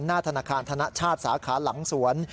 หน้าธนาคารธนชาติสาขาหลังสวน